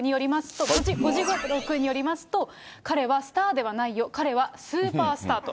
語録によりますと、彼はスターではないよ、彼はスーパースターと。